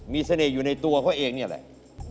มีเสน่ห์อยู่ในตัวเขาเองนี่แหละ